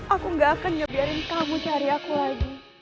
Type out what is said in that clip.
aku enggak akan nyebiarin kamu cari aku lagi